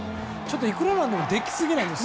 いくらなんでもできすぎです。